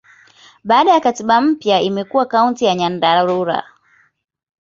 Baada ya katiba mpya, imekuwa Kaunti ya Nyandarua.